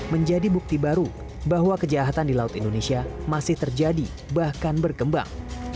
menjadi bukti baru bahwa kejahatan di laut indonesia masih terjadi bahkan berkembang